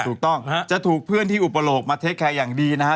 ถูกต้องจะถูกเพื่อนที่อุปโลกมาเทคแคร์อย่างดีนะฮะ